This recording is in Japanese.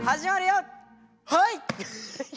はい！